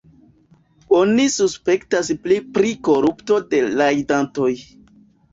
Oni suspektas pli pri korupto de rajdantoj.